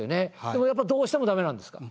でもやっぱどうしても駄目なんですか？